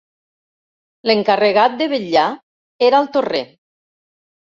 L'encarregat de vetlar era el torrer.